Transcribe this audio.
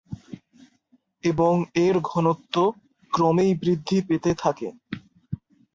এবং এর ঘনত্ব ক্রমেই বৃদ্ধি পেতে থাকে।